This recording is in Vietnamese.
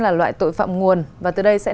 là loại tội phạm nguồn và từ đây sẽ